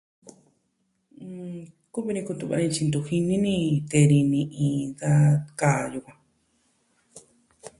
Nn... kuvi ni kutu'va tyi ntu jini ni tee ni ni iin kaa ka yukuan.